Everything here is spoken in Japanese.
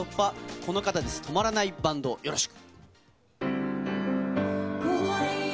この方です、止まらないバンド、よろしく。